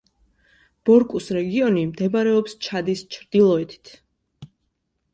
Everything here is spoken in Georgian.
ბორკუს რეგიონი მდებარეობს ჩადის ჩრდილოეთით.